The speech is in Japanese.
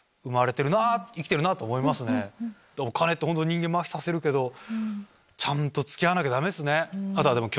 お金って人間まひさせるけどちゃんと付き合わなきゃダメ。